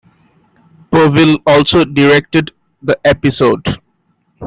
Povill also directed the episode.